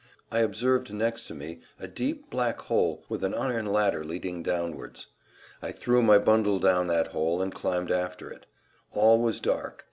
I observed next to me a deep black hole with an iron ladder leading downwards. I threw my bundle down that hole and climbed after it. All was dark.